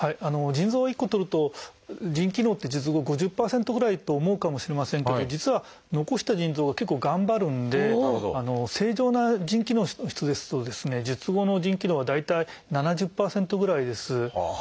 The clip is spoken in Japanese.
腎臓を１個とると腎機能って術後５０％ぐらいと思うかもしれませんけど実は残した腎臓が結構頑張るんで正常な腎機能の人ですと術後の腎機能は大体７０％ぐらいです。